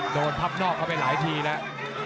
พับนอกเข้าไปหลายทีแล้ว